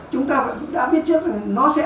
chúng ta cũng đã biết trước rồi nó sẽ xảy ra